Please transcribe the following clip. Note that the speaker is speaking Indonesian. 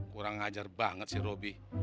kurang ngajar banget si robi